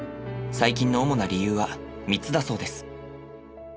最近の主な理由は３つだそうです。